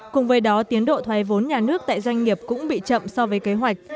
cùng với đó tiến độ thoái vốn nhà nước tại doanh nghiệp cũng bị chậm so với kế hoạch